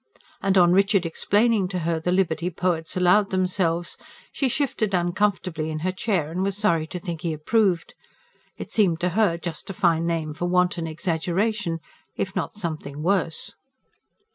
And on Richard explaining to her the liberty poets allowed themselves, she shifted uncomfortably in her chair, and was sorry to think he approved. It seemed to her just a fine name for wanton exaggeration if not something worse.